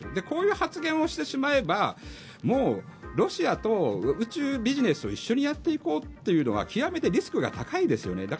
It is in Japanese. こういう発言をしてしまえばもうロシアと宇宙ビジネスを一緒にやっていこうというのが極めてリスクが高いですよね。